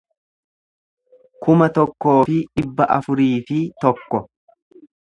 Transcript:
kuma tokkoo fi dhibba afurii fi tokko